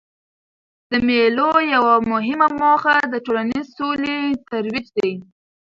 د مېلو یوه مهمه موخه د ټولنیزي سولې ترویج دئ.